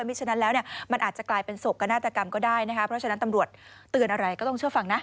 ฉะนั้นแล้วเนี่ยมันอาจจะกลายเป็นโศกนาฏกรรมก็ได้นะคะเพราะฉะนั้นตำรวจเตือนอะไรก็ต้องเชื่อฟังนะ